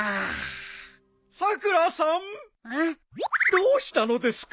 どうしたのですか？